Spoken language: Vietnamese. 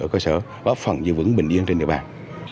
ở cơ sở góp phần giữ vững bình yên trên địa bàn